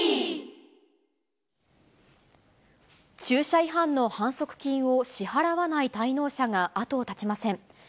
駐車違反の反則金を支払わない滞納者が後を絶ちません。